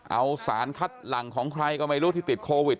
เอาสารคัดหลังของใครก็ไม่รู้ที่ติดโควิด